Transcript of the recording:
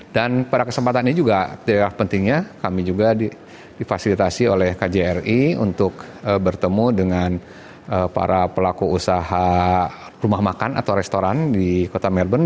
dan pada kesempatannya juga pentingnya kami juga difasilitasi oleh kjri untuk bertemu dengan para pelaku usaha rumah makan atau restoran di kota melbourne